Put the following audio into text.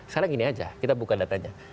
sekarang gini aja kita buka datanya